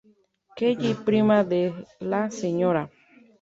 Kelly, prima de la Sra.